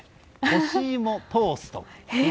干し芋トースト。